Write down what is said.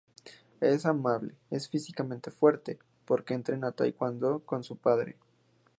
Ella es amable, es físicamente fuerte, porque se entrena en taekwondo con su padre.